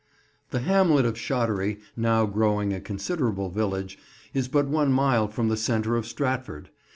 THE hamlet of Shottery, now growing a considerable village, is but one mile from the centre of Stratford.